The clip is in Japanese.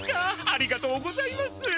ありがとうございます！